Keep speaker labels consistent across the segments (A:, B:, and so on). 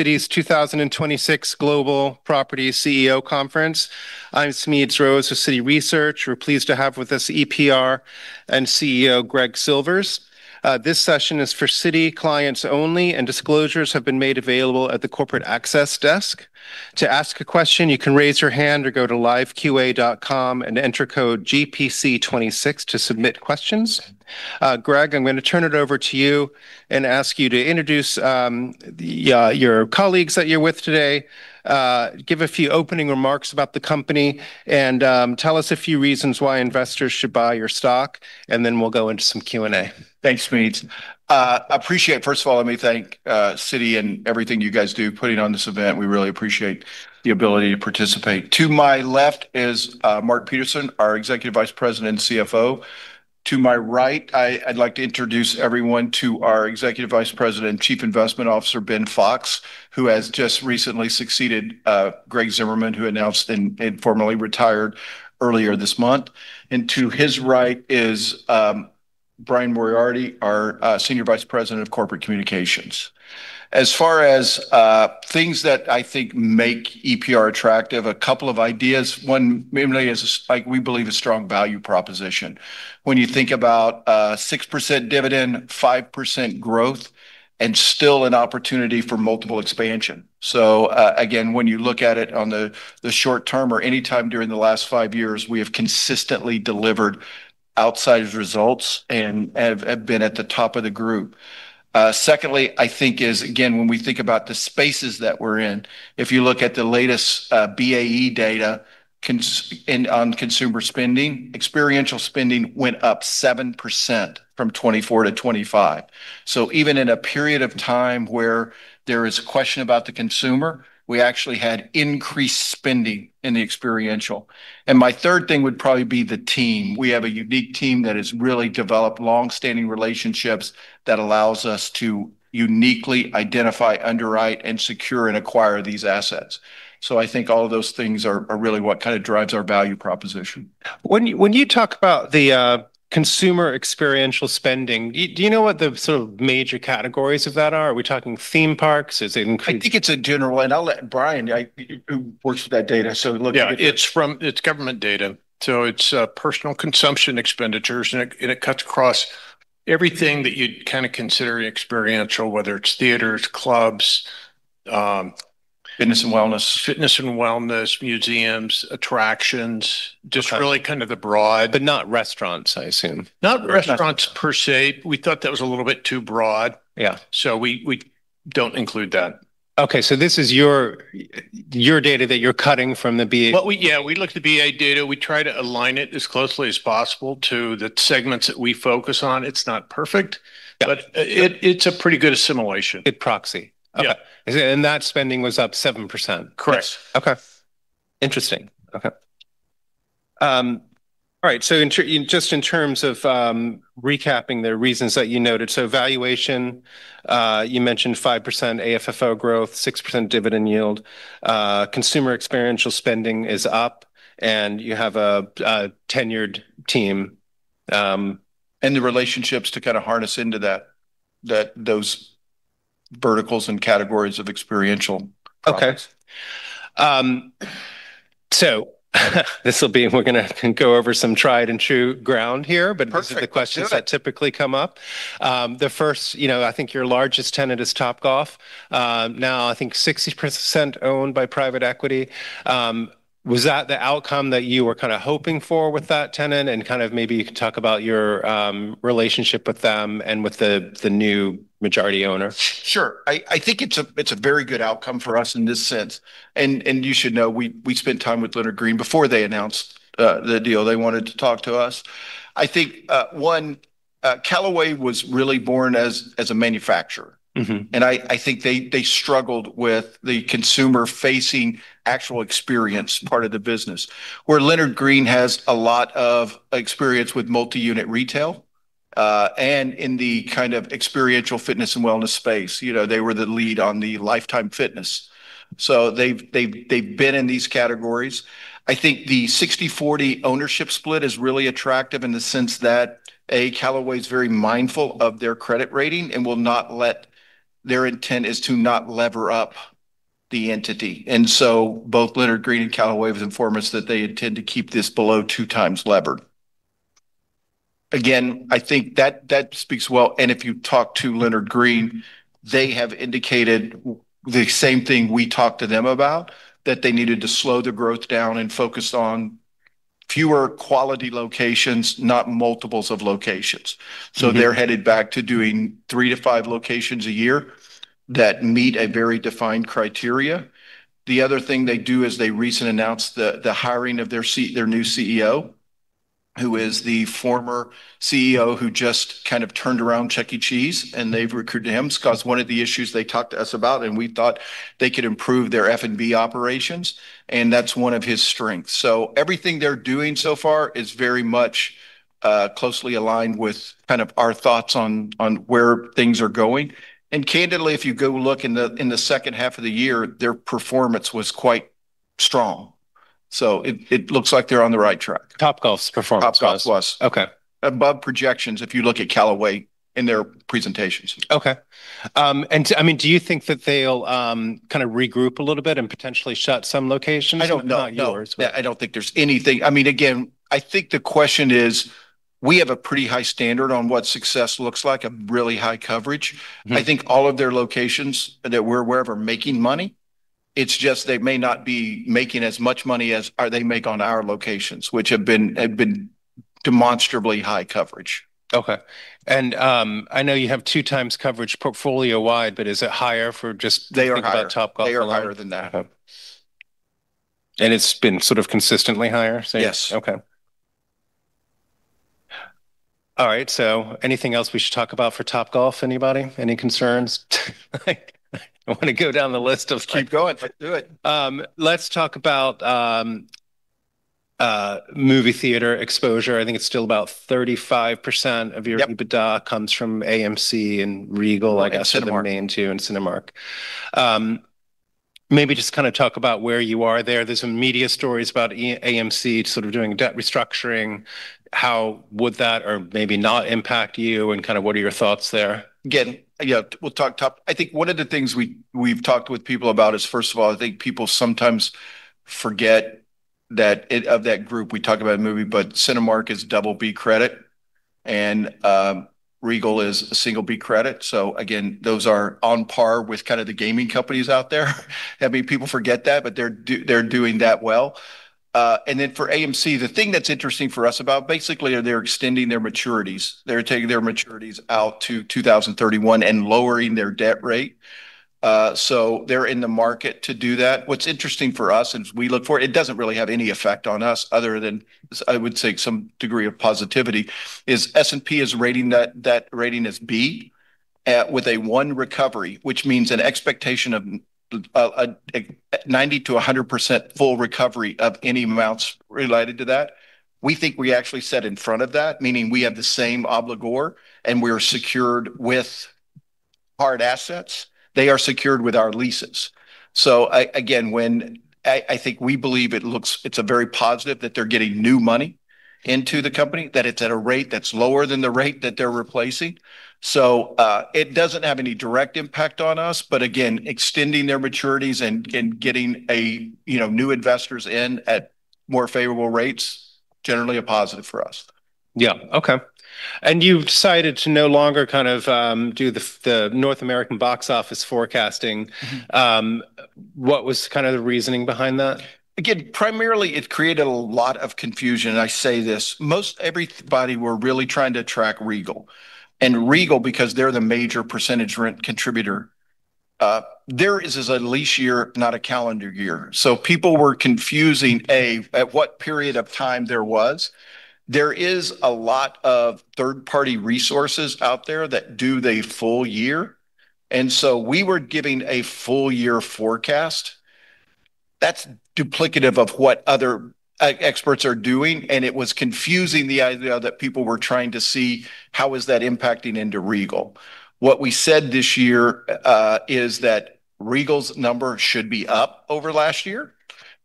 A: Citi's 2026 Global Property CEO Conference. I'm Smedes Rose with Citi Research. We're pleased to have with us EPR and CEO Greg Silvers. This session is for Citi clients only, and disclosures have been made available at the corporate access desk. To ask a question, you can raise your hand or go to liveqa.com and enter code GPC26 to submit questions. Greg, I'm gonna turn it over to you and ask you to introduce your colleagues that you're with today, give a few opening remarks about the company and tell us a few reasons why investors should buy your stock, and then we'll go into some Q&A.
B: Thanks, Smedes. First of all, let me thank Citi and everything you guys do putting on this event. We really appreciate the ability to participate. To my left is Mark Peterson, our Executive Vice President and CFO. To my right, I'd like to introduce everyone to our Executive Vice President and Chief Investment Officer, Ben Fox, who has just recently succeeded Greg Zimmerman, who announced and formally retired earlier this month. To his right is Brian Moriarty, our Senior Vice President of Corporate Communications. As far as things that I think make EPR attractive, a couple of ideas. One mainly is, like, we believe a strong value proposition. When you think about a 6% dividend, 5% growth, and still an opportunity for multiple expansion. Again, when you look at it on the short term or any time during the last five years, we have consistently delivered outside results and have been at the top of the group. Secondly, I think is, again, when we think about the spaces that we're in, if you look at the latest BEA data on consumer spending, experiential spending went up 7% from 2024 to 2025. Even in a period of time where there is question about the consumer, we actually had increased spending in the experiential. My third thing would probably be the team. We have a unique team that has really developed long-standing relationships that allows us to uniquely identify, underwrite, and secure and acquire these assets. I think all of those things are really what kind of drives our value proposition.
A: When you talk about the consumer experiential spending, do you know what the sort of major categories of that are? Are we talking theme parks?
B: I think it's. I'll let Brian, who works with that data.
C: Yeah, it's from, it's government data, so it's personal consumption expenditures and it cuts across everything that you'd kind of consider experiential, whether it's theaters, clubs-
B: Fitness and wellness.
C: -fitness and wellness, museums, attractions.
A: Okay.
C: Just really kind of the...
A: Not restaurants, I assume.
C: Not restaurants per se. We thought that was a little bit too broad, we don't include that.
A: Okay, this is your data that you're cutting from the BEA.
B: Well, yeah, we look at the BEA data. We try to align it as closely as possible to the segments that we focus on. It's not perfect, it's a pretty good assimilation.
A: Good proxy.
B: Yeah.
A: Okay. Is it. THat spending was up 7%.
B: Correct.
C: Yes.
A: Okay. Interesting. Okay. All right. In terms of recapping the reasons that you noted, valuation, you mentioned 5% AFFO growth, 6% dividend yield. Consumer experiential spending is up, and you have a tenured team. The relationships to kind of harness into that, those verticals and categories of experiential products.
B: Okay.
A: We're gonna go over some tried and true ground here.
B: Perfect. Let's do it.
A: These are the questions that typically come up. The first, you know, I think your largest tenant is Topgolf, now I think 60% owned by private equity. Was that the outcome that you were kind of hoping for with that tenant? Kind of maybe you can talk about your relationship with them and with the new majority owner.
B: Sure. I think it's a very good outcome for us in this sense, and you should know we spent time with Leonard Green before they announced the deal. They wanted to talk to us. I think one Callaway was really born as a manufacturer. I think they struggled with the consumer-facing actual experience part of the business, where Leonard Green has a lot of experience with multi-unit retail and in the kind of experiential fitness and wellness space. You know, they were the lead on the Life Time Fitness, so they've been in these categories. I think the 60/40 ownership split is really attractive in the sense that, A, Callaway's very mindful of their credit rating. Their intent is to not lever up the entity. Both Leonard Green and Callaway have informed us that they intend to keep this below two times levered. I think that speaks well, and if you talk to Leonard Green, they have indicated the same thing we talked to them about, that they needed to slow the growth down and focus on fewer quality locations, not multiples of locations. They're headed back to doing three to five locations a year that meet a very defined criteria. The other thing they do is they recent announced the hiring of their new CEO, who is the former CEO who just kind of turned around Chuck E. Cheese, and they've recruited him. It's 'cause one of the issues they talked to us about, and we thought they could improve their F&B operations, and that's one of his strengths. Everything they're doing so far is very much closely aligned with kind of our thoughts on where things are going. Candidly, if you go look in the second half of the year, their performance was quite strong. It looks like they're on the right track.
A: Topgolf's performance was.
B: Topgolf was above projections if you look at Callaway in their presentations.
A: Okay. I mean, do you think that they'll kind of regroup a little bit and potentially shut some locations?
B: I don't, no.
A: Not yours.
B: I don't think there's anything. I mean, again, I think the question is, we have a pretty high standard on what success looks like, a really high coverage. I think all of their locations that we're aware of are making money, it's just they may not be making as much money as they make on our locations, which have been demonstrably high coverage.
A: Okay. I know you have two times coverage portfolio-wide, but is it higher for?
B: They are higher.
A: Thinking about Topgolf alone?
B: They are higher than that.
A: Okay. It's been sort of consistently higher, say?
B: Yes.
A: Okay. All right. Anything else we should talk about for Topgolf, anybody? Any concerns? Like, I want to go down the list.
B: Keep going. Let's do it.
A: Let's talk about movie theater exposure. I think it's still about 35% of your EBITDA comes from AMC and Regal, I guess.
B: Cinemark.
A: The main two, and Cinemark. Maybe just kind of talk about where you are there. There's some media stories about AMC sort of doing debt restructuring. How would that or maybe not impact you, and kind of what are your thoughts there?
B: Yeah, we'll talk. I think one of the things we've talked with people about is, first of all, I think people sometimes forget that of that group, we talk about movie, but Cinemark is a BB credit and Regal is a B credit. Those are on par with kind of the gaming companies out there. I mean, people forget that, but they're doing that well. For AMC, the thing that's interesting for us about, basically they're extending their maturities. They're taking their maturities out to 2031 and lowering their debt rate. They're in the market to do that. What's interesting for us, and as we look for...it doesn't really have any effect on us other than, I would say, some degree of positivity, is S&P is rating that rating as B, with a one recovery, which means an expectation of a 90% to 100% full recovery of any amounts related to that. We think we actually sat in front of that, meaning we have the same obligor and we are secured with hard assets. They are secured with our leases. Again, I think we believe it's a very positive that they're getting new money into the company, that it's at a rate that's lower than the rate that they're replacing. It doesn't have any direct impact on us, but again, extending their maturities and getting a, you know, new investors in at more favorable rates, generally a positive for us.
A: Yeah. Okay. You've decided to no longer kind of do the North American box office forecasting. What was kind of the reasoning behind that?
B: Primarily it created a lot of confusion. I say this. Most everybody were really trying to track Regal, and Regal, because they're the major percentage rent contributor, their is as a lease year, not a calendar year. People were confusing, A, at what period of time there was. There is a lot of third-party resources out there that do the full year. We were giving a full year forecast. That's duplicative of what other experts are doing, and it was confusing the idea that people were trying to see how is that impacting into Regal? What we said this year, is that Regal's number should be up over last year.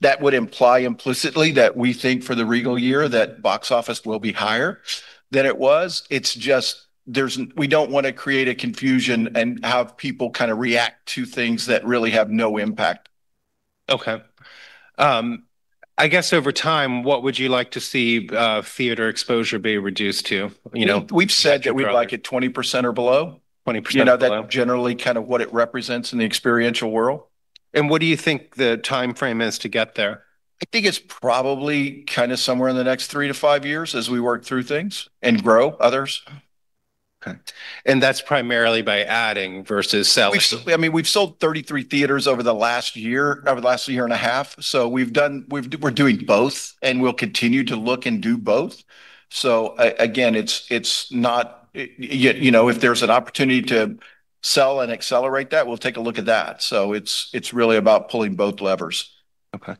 B: That would imply implicitly that we think for the Regal year, that box office will be higher than it was. It's just there's we don't wanna create a confusion and have people kind of react to things that really have no impact.
A: Okay. I guess over time, what would you like to see theater exposure be reduced to, you know?
B: We've said that we'd like it 20% or below.
A: 20% or below.
B: You know, that generally kind of what it represents in the experiential world.
A: What do you think the timeframe is to get there?
B: I think it's probably kind of somewhere in the next three to five years as we work through things and grow others.
A: Okay. That's primarily by adding versus selling?
B: We've, I mean, we've sold 33 theaters over the last year, over the last year and a half. We've done, we're doing both, and we'll continue to look and do both. Again, it's not, you know, if there's an opportunity to sell and accelerate that, we'll take a look at that. It's, it's really about pulling both levers.
A: Okay.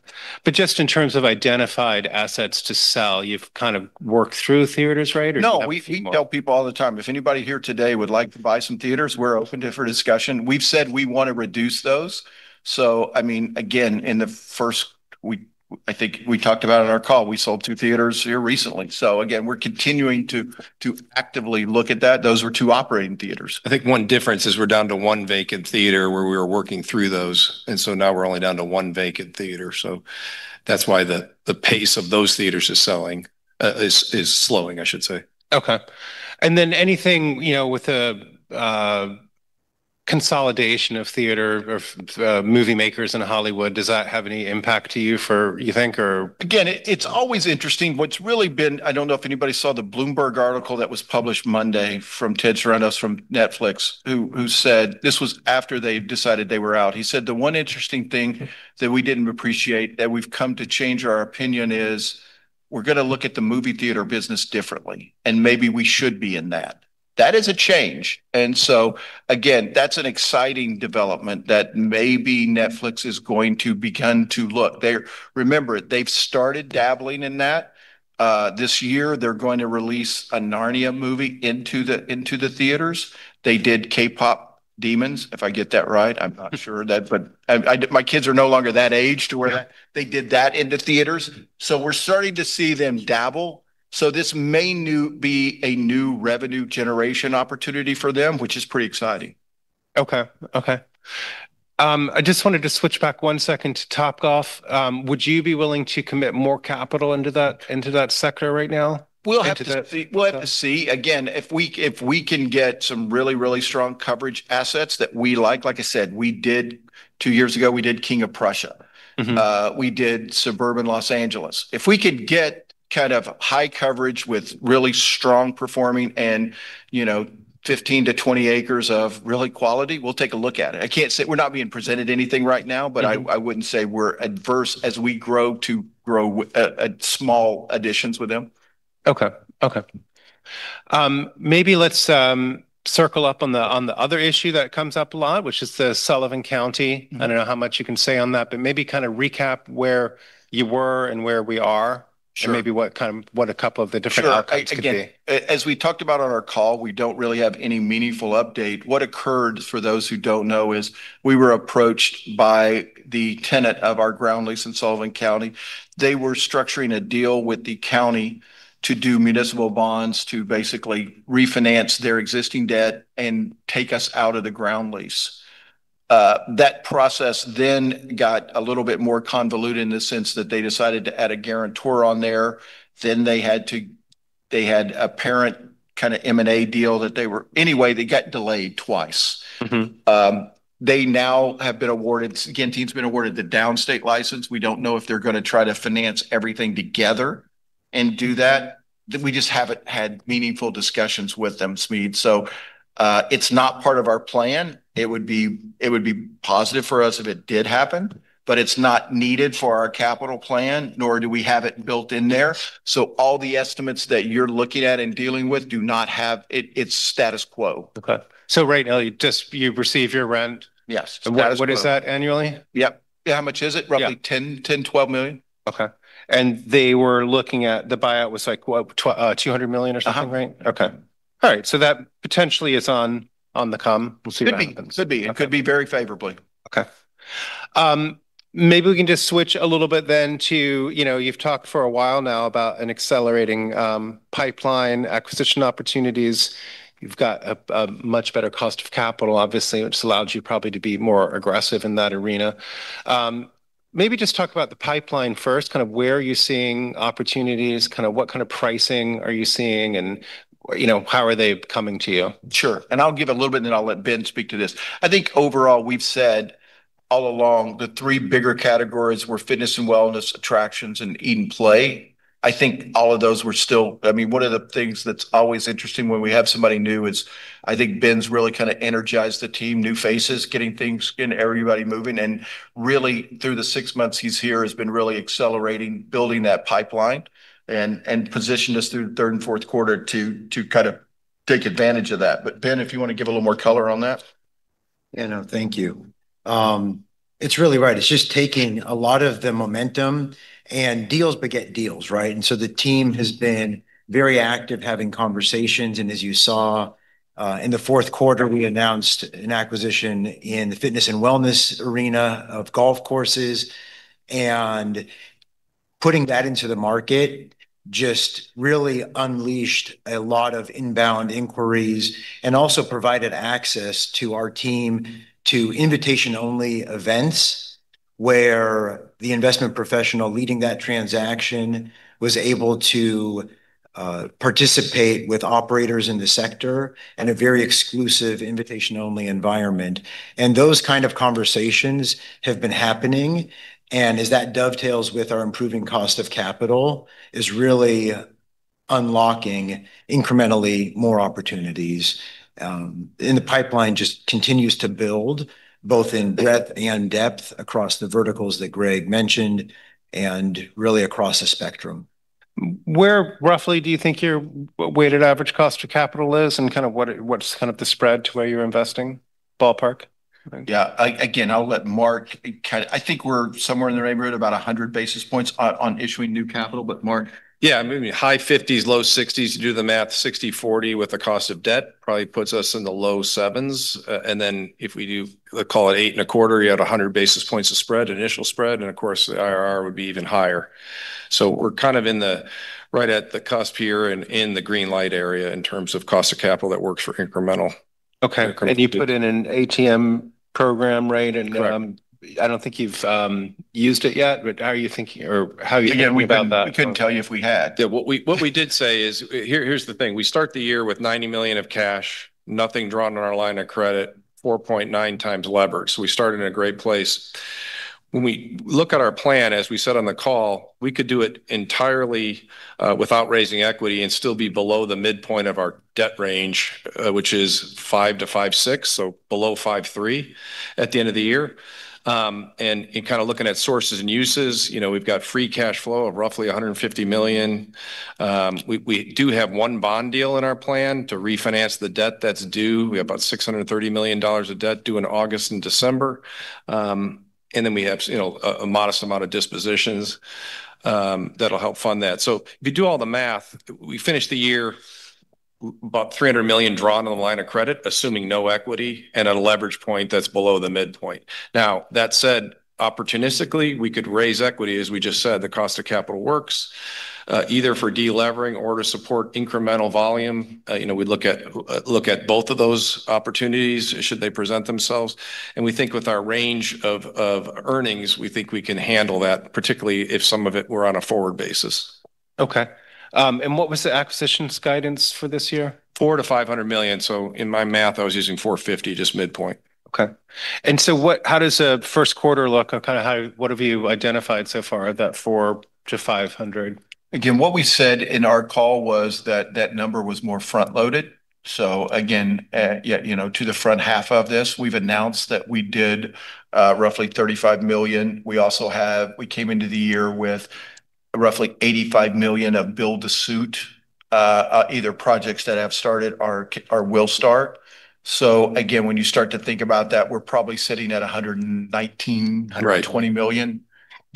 A: Just in terms of identified assets to sell, you've kind of worked through theaters, right?
B: No.
A: more?
B: We tell people all the time, if anybody here today would like to buy some theaters, we're open to it for discussion. We've said we wanna reduce those. I mean, again, in the first, I think we talked about it in our call, we sold two theaters here recently. Again, we're continuing to actively look at that. Those were two operating theaters. I think one difference is we're down to one vacant theater where we were working through those, and so now we're only down to one vacant theater. That's why the pace of those theaters is selling, is slowing, I should say.
A: Okay. Anything, you know, with the consolidation of theater or movie makers in Hollywood, does that have any impact to you for, you think?
B: Again, it's always interesting. What's really been. I don't know if anybody saw the Bloomberg article that was published Monday from Ted Sarandos from Netflix, who said. This was after they decided they were out. He said, "The one interesting thing that we didn't appreciate, that we've come to change our opinion is we're gonna look at the movie theater business differently, and maybe we should be in that." That is a change. Again, that's an exciting development that maybe Netflix is going to begin to look. They're. Remember, they've started dabbling in that. This year they're going to release a Narnia movie into the theaters. They did K-Pop:Demons, if I get that right. I'm not sure of that. My kids are no longer that age to where they did that in the theaters. We're starting to see them dabble, so this may be a new revenue generation opportunity for them, which is pretty exciting.
A: Okay, okay. I just wanted to switch back one second to Topgolf. Would you be willing to commit more capital into that sector right now?
B: We'll have to see.
A: Into the...
B: We'll have to see. Again, if we can get some really, really strong coverage assets that we like. Like I said, two years ago we did King of Prussia. We did suburban Los Angeles. If we could get kind of high coverage with really strong performing and, you know, 15-20 acres of really quality, we'll take a look at it. I can't say. We're not being presented anything right now. I wouldn't say we're adverse as we grow to grow with small additions with them.
A: Okay. Maybe let's circle up on the, on the other issue that comes up a lot, which is the Sullivan County. I don't know how much you can say on that, but maybe kind of recap where you were and where we are. Maybe what kind of, what a couple of the different outcomes could be.
B: Again, as we talked about on our call, we don't really have any meaningful update. What occurred, for those who don't know, is we were approached by the tenant of our ground lease in Sullivan County. They were structuring a deal with the county to do municipal bonds to basically refinance their existing debt and take us out of the ground lease. That process then got a little bit more convoluted in the sense that they decided to add a guarantor on there. They had a parent kind of M&A deal. Anyway, they go delayed twice. Mm-hmm. Genting's been awarded the downstate license. We don't know if they're gonna try to finance everything together and do that. We just haven't had meaningful discussions with them, Smedes. It's not part of our plan. It would be positive for us if it did happen, but it's not needed for our capital plan, nor do we have it built in there. All the estimates that you're looking at and dealing with do not have it. It's status quo.
A: Okay. right now you just, you've received your rent.
B: Yes.
A: What is that annually?
B: Yep. How much is it?
A: Yeah.
B: Roughly $10 million, $10 million, $12 million.
A: Okay. They were looking at the buyout was, like, what, $200 million or something, right? Okay. All right. That potentially is on the come. We'll see what happens.
B: Could be.
A: Okay.
B: It could be very favorably.
A: Maybe we can just switch a little bit then to, you know, you've talked for a while now about an accelerating pipeline acquisition opportunities. You've got a much better cost of capital, obviously, which allows you probably to be more aggressive in that arena. Maybe just talk about the pipeline first, kind of where are you seeing opportunities, kind of what kind of pricing are you seeing, and, you know, how are they coming to you?
B: Sure. I'll give a little bit and then I'll let Ben speak to this. I think overall, we've said all along the three bigger categories were fitness and wellness, attractions, and eat and play. I think all of those were still. I mean, one of the things that's always interesting when we have somebody new is I think Ben's really kind of energized the team, new faces, getting things and everybody moving. Really through the six months he's here has been really accelerating building that pipeline and positioned us through third and fourth quarter to kind of take advantage of that. Ben, if you want to give a little more color on that.
D: Yeah, no, thank you. It's really right. It's just taking a lot of the momentum, and deals beget deals, right? The team has been very active having conversations. As you saw, in the fourth quarter, we announced an acquisition in the fitness and wellness arena of golf courses. Putting that into the market just really unleashed a lot of inbound inquiries and also provided access to our team to invitation-only events, where the investment professional leading that transaction was able to participate with operators in the sector in a very exclusive invitation-only environment. Those kind of conversations have been happening. As that dovetails with our improving cost of capital is really unlocking incrementally more opportunities, and the pipeline just continues to build both in breadth and depth across the verticals that Greg mentioned and really across the spectrum.
A: Where roughly do you think your weighted average cost of capital is and kind of what's kind of the spread to where you're investing, ballpark?
B: Yeah. Again, I'll let Mark, I think we're somewhere in the neighborhood about 100 basis points on issuing new capital. Mark.
E: Yeah. I mean, high 50s, low 60s. Do the math, 60/40 with the cost of debt probably puts us in the low 7s. If we do, call it 8.25, you add 100 basis points of spread, initial spread, and of course, the IRR would be even higher. We're kind of in the right at the cusp here and in the green light area in terms of cost of capital that works for incremental.
A: You put in an ATM program, right?
E: Correct.
A: I don't think you've used it yet, but how are you thinking or how are you feeling?
E: Again, we couldn't. About that program? We couldn't tell you if we had.
B: Yeah. What we did say is, here's the thing. We start the year with $90 million of cash, nothing drawn on our line of credit, 4.9 times leverage. We started in a great place. When we look at our plan, as we said on the call, we could do it entirely without raising equity and still be below the midpoint of our debt range, which is 5.0 to 5.6, below 5.3 at the end of the year. In kind of looking at sources and uses, you know, we've got free cash flow of roughly $150 million. We do have one bond deal in our plan to refinance the debt that's due. We have about $630 million of debt due in August and December. Then we have, you know, a modest amount of dispositions that'll help fund that. If you do all the math, we finish the year about $300 million drawn on the line of credit, assuming no equity and at a leverage point that's below the midpoint. That said, opportunistically, we could raise equity. As we just said, the cost of capital works either for de-levering or to support incremental volume. You know, we look at both of those opportunities should they present themselves, and we think with our range of earnings, we think we can handle that, particularly if some of it were on a forward basis.
A: Okay. What was the acquisitions guidance for this year?
B: $400 million to $500 million. In my math I was using $450, just midpoint.
A: Okay. How does first quarter look? Kind of what have you identified so far of that 400-500?
B: What we said in our call was that that number was more front-loaded. Again, yet, you know, to the front half of this, we've announced that we did, roughly $35 million. We also came into the year with roughly $85 million of build to suit, either projects that have started or will start. Again, when you start to think about that, we're probably sitting at $119, $120 million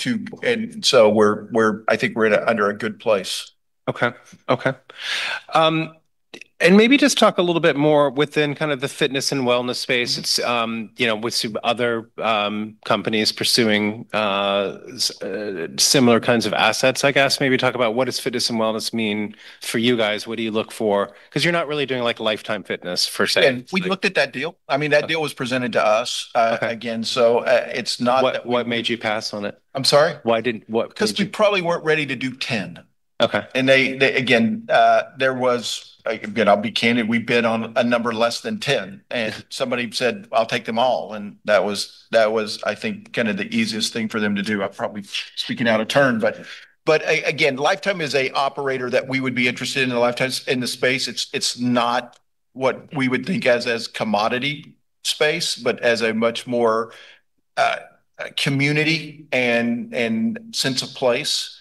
B: we're I think we're under a good place.
A: Okay. Maybe just talk a little bit more within kind of the fitness and wellness space. It's, you know, with some other companies pursuing similar kinds of assets, I guess. Maybe talk about what does fitness and wellness mean for you guys. What do you look for? 'Cause you're not really doing, like, Life Time, per se.
B: We looked at that deal. I mean, that deal was presented to us.
A: Okay
B: Again, it's not that.
A: What made you pass on it?
B: I'm sorry?
A: What made you-?
B: because we probably weren't ready to do 10.
A: Okay.
B: They again, there was again, I'll be candid. We bid on a number less than 10, and somebody said, "I'll take them all," and that was, I think, kind of the easiest thing for them to do. I'm probably speaking out of turn, but again, Life Time is a operator that we would be interested in, and Life Time's in the space. It's not what we would think as commodity space, but as a much more community and sense of place.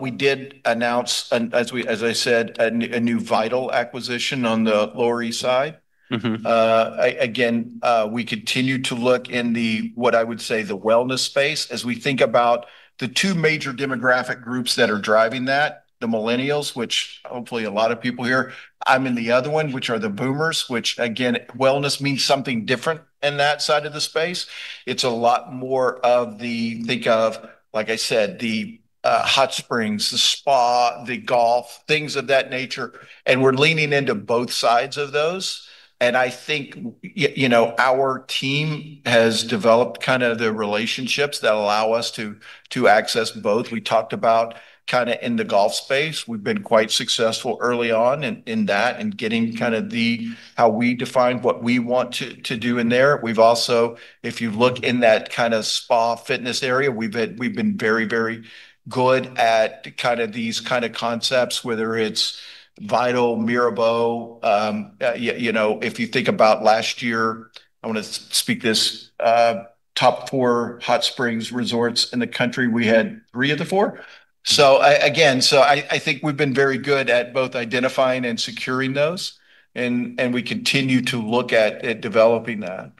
B: We did announce, as we, as I said, a new Vital acquisition on the Lower East Side. Again, we continue to look in the, what I would say, the wellness space as we think about the two major demographic groups that are driving that, the millennials, which hopefully a lot of people here. I'm in the other one, which are the boomers, which again, wellness means something different in that side of the space. It's a lot more of the, think of, like I said, the hot springs, the spa, the golf, things of that nature, and we're leaning into both sides of those. I think you know, our team has developed kind of the relationships that allow us to access both. We talked about kinda in the golf space, we've been quite successful early on in that, in getting kinda the how we define what we want to do in there. We've also, if you look in that kind of spa fitness area, we've been very good at kind of these kind of concepts, whether it's Vital, Mirbeau. You know, if you think about last year, I wanna speak this, top four hot springs resorts in the country, we had three of the four. Again, I think we've been very good at both identifying and securing those, and we continue to look at developing that.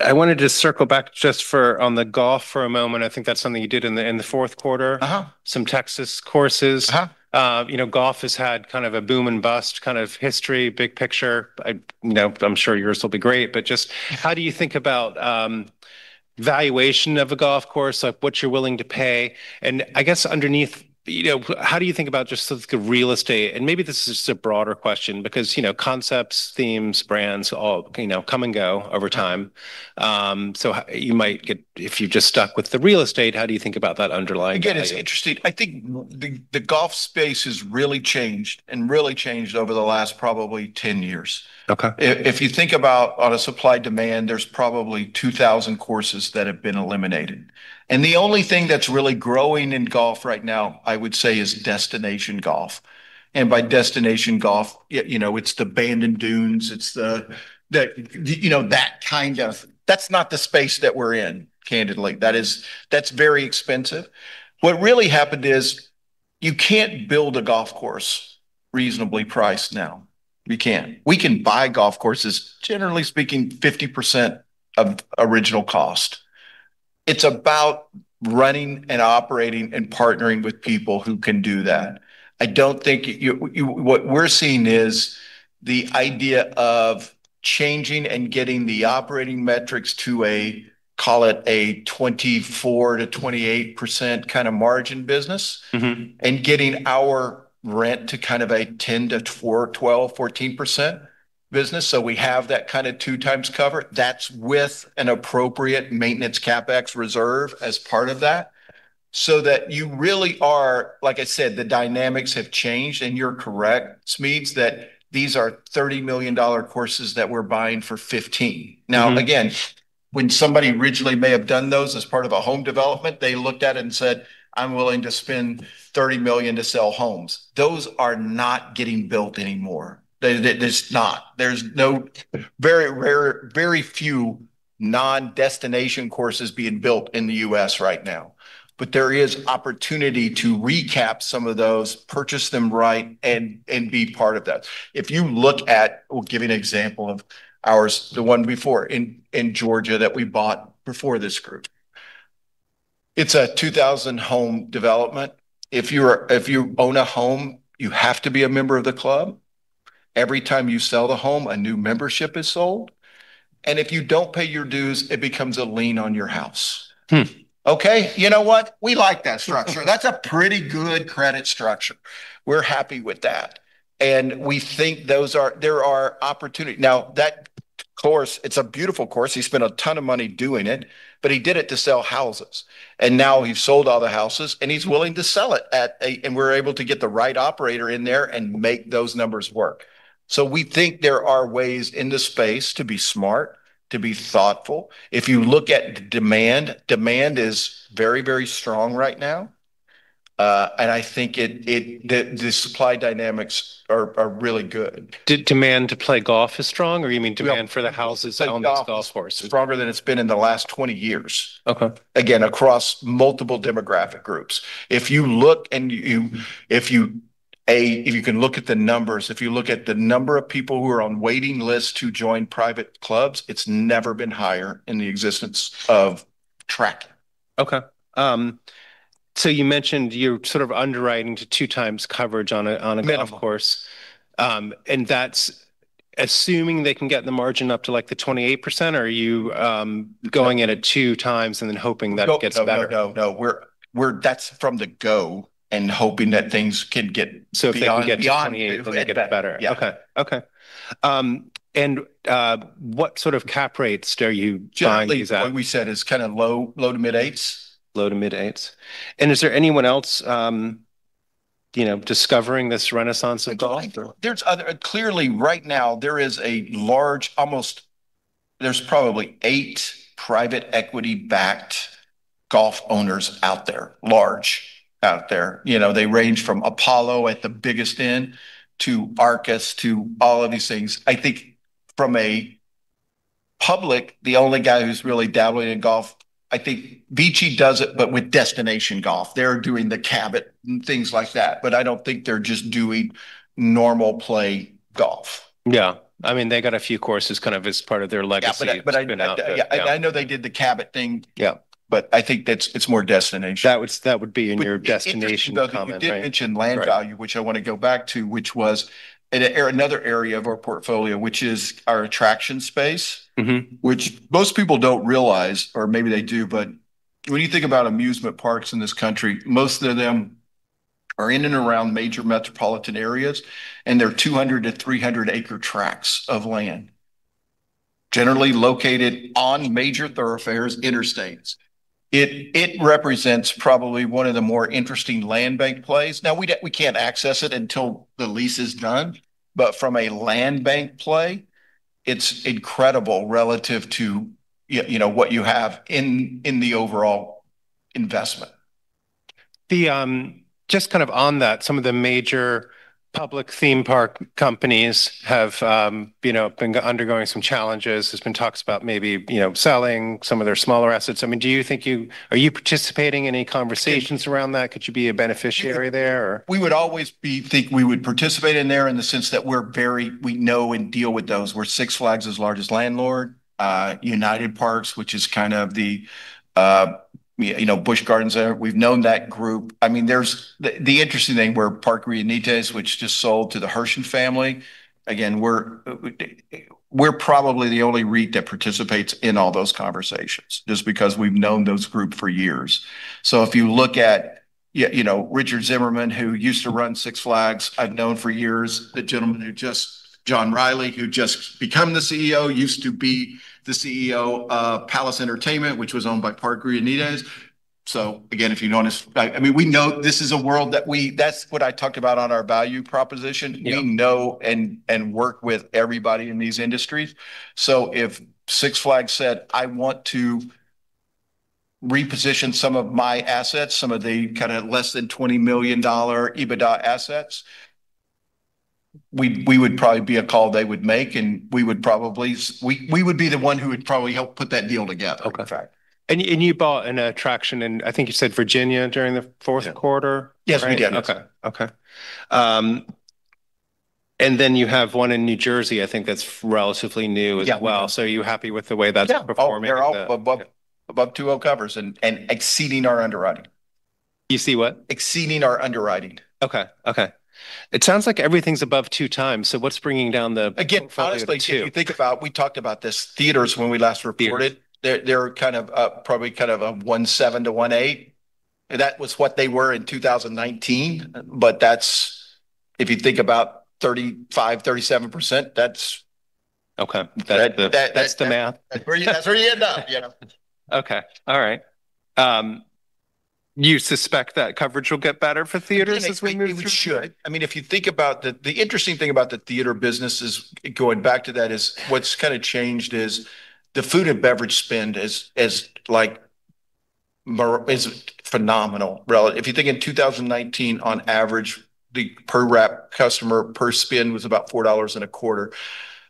A: I wanted to circle back just for on the golf for a moment. I think that's something you did in the, in the fourth quarter, some Texas courses. You know, golf has had kind of a boom and bust kind of history, big picture. I, you know, I'm sure yours will be great, but just how do you think about valuation of a golf course, like what you're willing to pay? I guess underneath, you know, how do you think about just sort of the real estate? Maybe this is just a broader question because, you know, concepts, themes, brands all, you know, come and go over time. If you're just stuck with the real estate, how do you think about that underlying value?
B: It's interesting. I think the golf space has really changed and really changed over the last probably 10 years.
A: Okay.
B: If you think about on a supply-demand, there's probably 2,000 courses that have been eliminated. The only thing that's really growing in golf right now, I would say, is destination golf. By destination golf, you know, it's the Bandon Dunes, it's the, you know, that kind of. That's not the space that we're in, candidly. That's very expensive. What really happened is you can't build a golf course reasonably priced now. We can't. We can buy golf courses, generally speaking, 50% of original cost. It's about running and operating and partnering with people who can do that. What we're seeing is the idea of changing and getting the operating metrics to a, call it, a 24% to 28% kind of margin business. And getting our rent to kind of a 10 to 4, 12, 14% business. We have that kind of two times cover. That's with an appropriate maintenance CapEx reserve as part of that. That you really are. Like I said, the dynamics have changed, and you're correct, Smedes, that these are $30 million courses that we're buying for $15 million. Now, again, when somebody originally may have done those as part of a home development, they looked at it and said, "I'm willing to spend $30 million to sell homes." Those are not getting built anymore. They. There's not. There's no very rare, very few non-destination courses being built in the U.S. right now, but there is opportunity to recap some of those, purchase them right, and be part of that. If you look at, we'll give you an example of ours, the one before in Georgia that we bought before this group. It's a 2,000 home development. If you're, if you own a home, you have to be a member of the club. Every time you sell the home, a new membership is sold, and if you don't pay your dues, it becomes a lien on your house. Hmm. Okay. You know what? We like that structure. That's a pretty good credit structure. We're happy with that. There are opportunity. It's a beautiful course. He spent a ton of money doing it, but he did it to sell houses, and now he's sold all the houses, and he's willing to sell it at a. We're able to get the right operator in there and make those numbers work. We think there are ways in the space to be smart, to be thoughtful. If you look at demand is very strong right now. And I think it. The supply dynamics are really good.
A: Demand to play golf is strong, or you mean-
B: Well...
A: -demand for the houses-
B: Play golf.
A: -on these golf courses?
B: Stronger than it's been in the last 20 years.
A: Okay.
B: Again, across multiple demographic groups. If you can look at the numbers, if you look at the number of people who are on waiting lists to join private clubs, it's never been higher in the existence of EPR.
A: You mentioned you're sort of underwriting to two times coverage-
B: Minimum
A: -golf course. That's assuming they can get the margin up to, like, the 28%, or are you going at it 2 times and then hoping that it gets better?
B: No. That's from the go and hoping that things can get-
A: If they can get to 28.
B: -beyond.
A: They can get better.
B: Yeah.
A: Okay. What sort of cap rates are you buying these at?
B: Generally what we said is kind of low, low 8%-mid 8%.
A: Low to mid 8s. Is there anyone else, you know, discovering this renaissance of golf?
B: There's probably eight private equity-backed golf owners out there, large out there. You know, they range from Apollo at the biggest end to Arcus to all of these things. I think from a public, the only guy who's really dabbling in golf, I think VICI does it, but with destination golf. They're doing the Cabot and things like that, but I don't think they're just doing normal play golf.
A: Yeah. I mean, they got a few courses kind of as part of their legacy.
B: Yeah, but I...
A: It's been out, but yeah.
B: Yeah, I know they did the Cabot thing. I think it's more destination.
A: That was, that would be in your destination comment, right?
B: Interesting though that you did mention value, which I want to go back to, which was another area of our portfolio, which is our attraction space. Which most people don't realize, or maybe they do, but when you think about amusement parks in this country, most of them are in and around major metropolitan areas, and they're 200 to 300 acre tracts of land, generally located on major thoroughfares, interstates. It represents probably one of the more interesting land bank plays. Now, we can't access it until the lease is done, but from a land bank play, it's incredible relative to you know, what you have in the overall investment.
A: The just kind of on that, some of the major public theme park companies have, you know, been undergoing some challenges. There's been talks about maybe, you know, selling some of their smaller assets. I mean, are you participating in any conversations around that? Could you be a beneficiary there or-?
B: We would always be think we would participate in there in the sense that we're very, we know and deal with those. We're Six Flags' largest landlord. United Parks, which is kind of the, you know, Busch Gardens there. We've known that group. I mean, there's The, the interesting thing, we're Parques Reunidos, which just sold to the Herschend family. Again, we're probably the only REIT that participates in all those conversations, just because we've known those group for years. If you look at you know Richard Zimmerman, who used to run Six Flags, I've known for years. The gentleman who just, John Reilly, who just become the CEO, used to be the CEO of Palace Entertainment, which was owned by Parques Reunidos. Again, if you notice, I mean, we know this is a world that's what I talked about on our value proposition. We know and work with everybody in these industries. If Six Flags said, "I want to reposition some of my assets, some of the kind of less than $20 million EBITDA assets," we would probably be a call they would make, and we would probably be the one who would probably help put that deal together.
A: Okay.
B: That's right.
A: You bought an attraction in, I think you said Virginia during the fourth quarter?
B: Yeah.
A: Right?
B: Yes, we did.
A: Okay. Okay. Then you have one in New Jersey, I think that's relatively new well. Are you happy with the way that's performing with the...
B: They're all above 20 covers and exceeding our underwriting.
A: You see what?
B: Exceeding our underwriting.
A: Okay. It sounds like everything's above 2 times, so what's bringing down the-
B: Again-
A: -portfolio to two?
B: -honestly, if you think about, we talked about this, theaters when we last reported-
A: Theaters
B: -they're kind of, probably kind of, 1.7-1.8. That was what they were in 2019, but that's, if you think about 35%-37%, that's.
A: Okay. That's the math.
B: That's where you end up, you know.
A: Okay. All right. You suspect that coverage will get better for theaters as we move through.
B: I think it should. I mean, if you think about The interesting thing about the theater business is, going back to that, is what's kinda changed is the food and beverage spend is like phenomenal relative. If you think in 2019 on average, the per wrap customer per spend was about $4 and a quarter.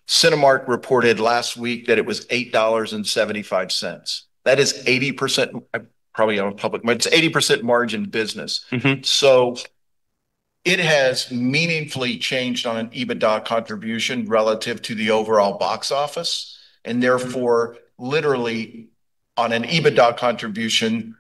B: Cinemark reported last week that it was $8.75. That is 80%. Probably on public, but it's 80% margin business. It has meaningfully changed on an EBITDA contribution relative to the overall box office. Therefore, literally on an EBITDA contribution,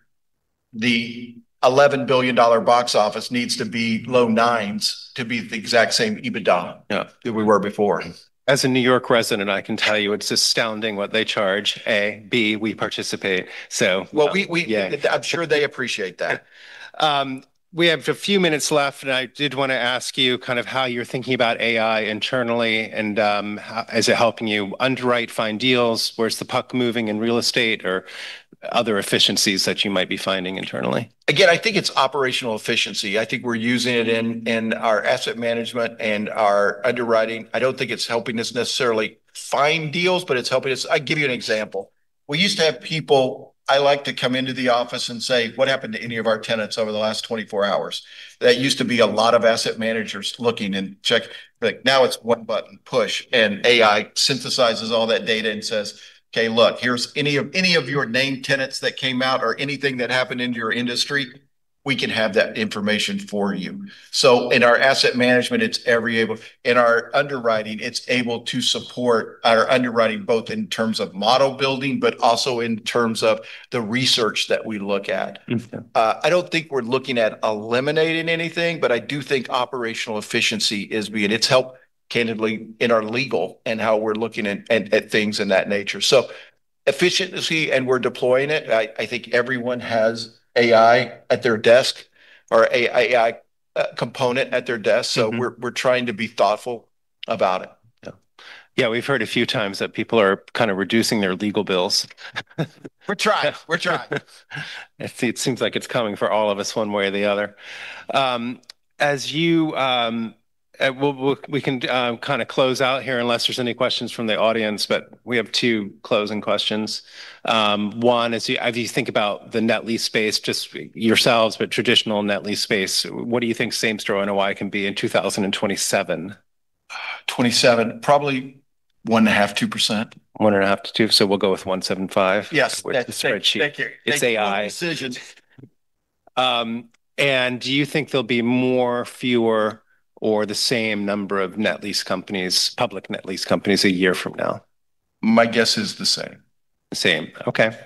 B: the $11 billion box office needs to be low $9s to be the exact same EBITDA.Yeahthat we were before.
A: As a New York resident, I can tell you it's astounding what they charge, A. B, we participate.
B: Well, we.
A: Yeah
B: I'm sure they appreciate that.
A: We have a few minutes left, and I did wanna ask you kind of how you're thinking about AI internally, and is it helping you underwrite, find deals? Where's the puck moving in real estate or other efficiencies that you might be finding internally?
B: I think it's operational efficiency. I think we're using it in our asset management and our underwriting. I don't think it's helping us necessarily find deals, but it's helping us. I'll give you an example. We used to have people I like to come into the office and say, "What happened to any of our tenants over the last 24 hours?" That used to be a lot of asset managers looking and check. Now it's one button push, and AI synthesizes all that data and says, "Okay, look, here's any of your named tenants that came out or anything that happened in your industry." We can have that information for you. In our asset management, it's every able. In our underwriting, it's able to support our underwriting both in terms of model building, but also in terms of the research that we look at. Mm-hmm. I don't think we're looking at eliminating anything. I do think operational efficiency is being. It's helped candidly in our legal and how we're looking at things in that nature. Efficiency, and we're deploying it. I think everyone has AI at their desk or AI component at their desk. Mm-hmm.We're trying to be thoughtful about it.
A: Yeah, we've heard a few times that people are kind of reducing their legal bills.
B: We're trying.
A: It seems like it's coming for all of us one way or the other. As you We can kind of close out here unless there's any questions from the audience, but we have two closing questions. One is as you think about the net lease space, just yourselves, but traditional net lease space, what do you think same store NOI can be in 2027?
B: 27, probably 1.5, 2%.
A: 1.5 to 2, so we'll go with 1.75.
B: Yes.
A: Where's the spreadsheet?
B: Thank you.
A: It's AI.
B: Thank you for making the decision.
A: Do you think there'll be more, fewer, or the same number of net lease companies, public net lease companies a year from now?
B: My guess is the same.
A: The same. Okay.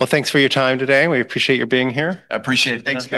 A: Thanks for your time today. We appreciate you being here.
B: I appreciate it. Thanks, guys.